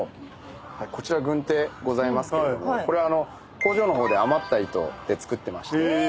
こちら軍手ございますけれどもこれ工場の方で余った糸で作ってまして。